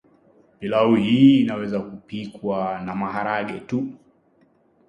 Pilau hii inaweza kupikwa na maharagetu